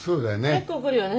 結構来るよね。